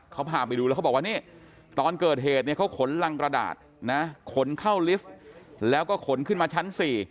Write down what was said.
เขาพาไปดูแล้วเขาบอกว่านี่ตอนเกิดเหตุเนี่ยเขาขนรังกระดาษนะขนเข้าลิฟท์แล้วก็ขนขึ้นมาชั้น๔